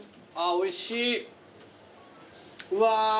おいしい。